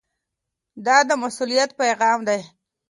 دا د مسؤلیت پیغام دی.